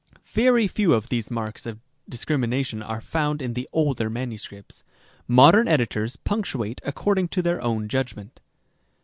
Very few of these marks of discrimination are found in the older manuscripts. Modern editors punctuate according to their own judgment.